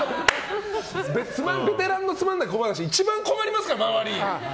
ベテランのつまんない小話一番困りますからね、周り！